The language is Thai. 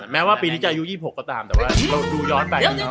แม้ว่าปีนี้จะอายุ๒๖ก็ตามแต่ว่าเราดูย้อนไป